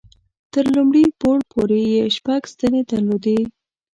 تر لومړي پوړ پورې یې شپږ ستنې درلودې.